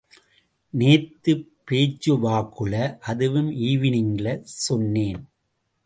நேத்து பேச்சுவாக்குல, அதுவும் ஈவினிங்ல சொன்னேன்.